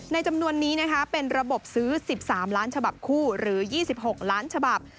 จำนวนนี้นะคะเป็นระบบซื้อ๑๓ล้านฉบับคู่หรือ๒๖ล้านฉบับ